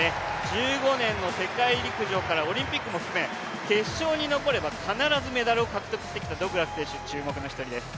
１５年の世界陸上からオリンピックも含め決勝に残れば必ずメダルを獲得してきたドグラス選手、注目の１人です。